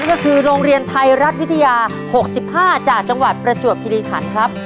ก็คือโรงเรียนไทยรัฐวิทยา๖๕จากจังหวัดประจวบคิริขันครับ